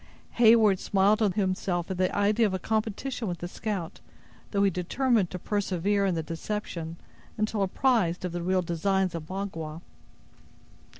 Heyward smiled to himself at the idea of a competition with the scout, though he determined to persevere in the deception, until apprised of the real designs of Magua.